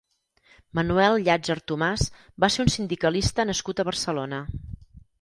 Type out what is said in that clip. Manuel Llatser Tomàs va ser un sindicalista nascut a Barcelona.